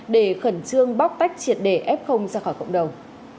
để khẩn trương bóc tách triệt để f ra khỏi cộng đồng